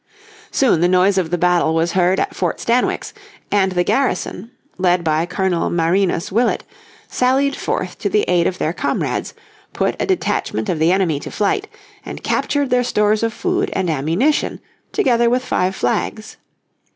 Soon the noise of the battle was heard at Fort Stanwix, and the garrison, led by Colonel Marinus Willett, sallied forth to the aid of their comrades, put a detachment of the enemy to flight, and captured their stores of food and ammunition, together with five flags.